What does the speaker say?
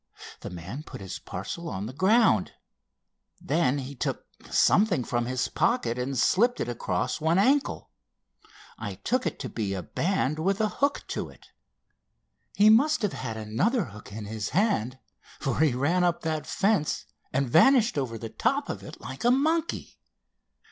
The man put his parcel on the ground. Then he took something from his pocket and slipped it across one ankle. I took it to be a band with a hook to it. He must have had another hook in his hand for he ran up that fence and vanished over the top of it like a monkey."